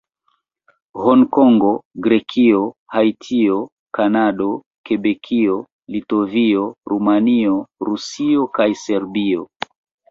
Honkongo, Grekio, Haitio, Kanado, Kebekio, Litovio, Rumanio, Rusio kaj Serbio.